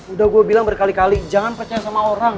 udah gue bilang berkali kali jangan percaya sama orang